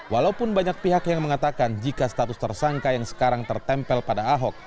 walaupun banyak pihak yang mengatakan jika status tersangka yang sekarang tertempel pada ahok